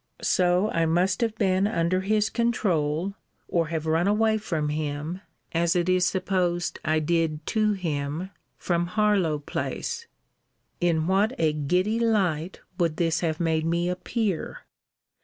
So I must have been under his controul, or have run away from him, as it is supposed I did to him, from Harlowe place. In what a giddy light would this have made me appear!